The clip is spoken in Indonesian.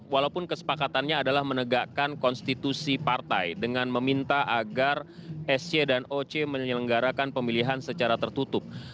walaupun kesepakatannya adalah menegakkan konstitusi partai dengan meminta agar sy dan oc menyelenggarakan pemilihan secara tertutup